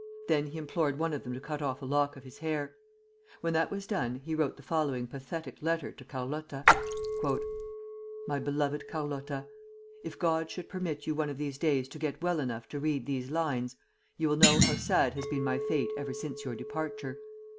Then he implored one of them to cut off a lock of his hair. When that was done, he wrote the following pathetic letter to Carlotta: MY BELOVED CARLOTTA, If God should permit you one of these days to get well enough to read these lines, you will know how sad has been my fate ever since your departure.